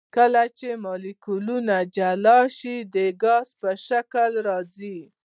کله چې مالیکولونه جلا شي د ګاز په شکل راځي.